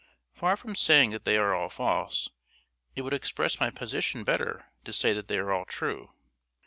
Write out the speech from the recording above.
Far from saying that they are all false, it would express my position better to say that they are all true.